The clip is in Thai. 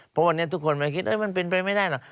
เพราะวันนี้ทุกคนไม่คิดมันเป็นไปไม่ได้หรอก